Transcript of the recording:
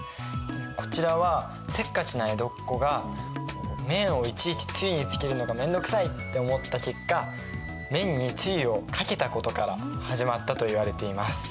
こちらはせっかちな江戸っ子が麺をいちいちつゆにつけるのが面倒くさいって思った結果麺につゆをかけたことから始まったといわれています。